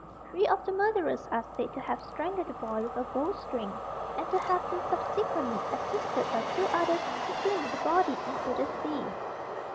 Three of the murderers are said to have strangled the boy with a bowstring, and to have been subsequently assisted by two others to fling the body into the sea.